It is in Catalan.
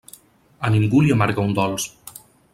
A ningú li amarga un dolç.